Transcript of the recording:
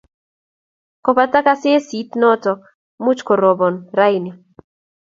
Kobata kasetit noto, much koroban raini